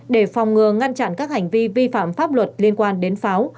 để phòng ngừa ngăn chặn các hành vi vi phạm pháp luật liên quan đến pháo